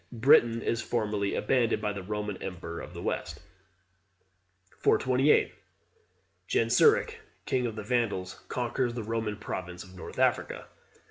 Britain is formally abandoned by the Roman emperor of the West. 428. Genseric, king of the Vandals, conquers the Roman province of North Africa.